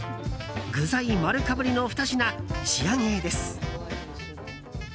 具材まるかぶりの２品仕上げです。